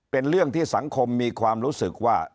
เป็นเรื่องที่สังคมมีความรู้สึกว่า